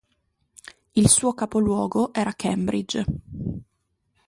Il suo capoluogo era Cambridge.